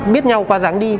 biết nhau qua ráng đi